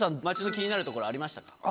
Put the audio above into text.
町の気になるところありましたか？